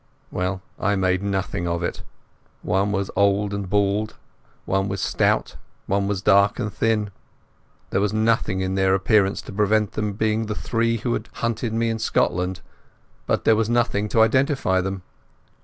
Well, I made nothing of it. One was old and bald, one was stout, one was dark and thin. There was nothing in their appearance to prevent them being the three who had hunted me in Scotland, but there was nothing to identify them.